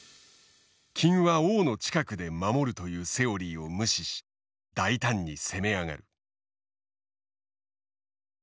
金は王の近くで守るというセオリーを無視し大胆に攻め上がる。